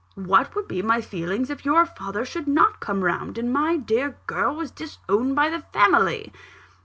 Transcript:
What would be my feelings, if your father should not come round, and my dear girl was disowned by the family?